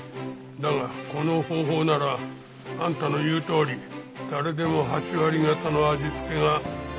だがこの方法ならあんたの言うとおり誰でも８割方の味付けができるんじゃないかな。